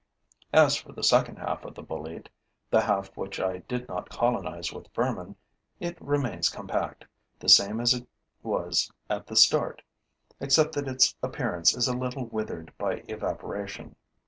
As for the second half of the bolete, the half which I did not colonize with vermin, it remains compact, the same as it was at the start, except that its appearance is a little withered by evaporation.